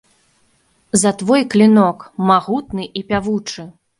За твой клінок, магутны і пявучы!